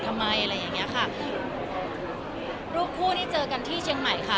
สิ่งที่เราจะให้ดูรูปคู่ที่เจอกันก็คือที่เชียงใหม่ค่ะ